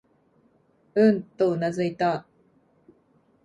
うん、とうなずいた。